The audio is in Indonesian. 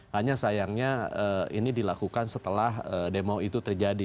hanya sayangnya ini dilakukan setelah demo itu terjadi